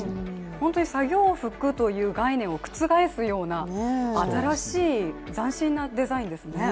本当に作業服という概念を覆すような新しい斬新なデザインですね。